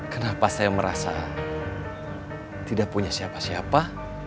kenapa saya merasa tidak punya siapa siapa